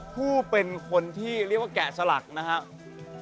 ผู้เป็นคนที่เรียกว่าแกะสลักนะครับ